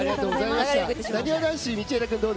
なにわ男子・道枝君